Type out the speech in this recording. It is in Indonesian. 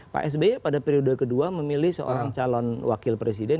pak sby pada periode kedua memilih seorang calon wakil presiden